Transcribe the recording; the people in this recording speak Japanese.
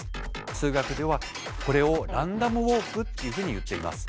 数学ではこれをランダムウォークっていうふうにいっています。